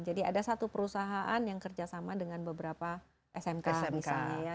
jadi ada satu perusahaan yang kerja sama dengan beberapa smk misalnya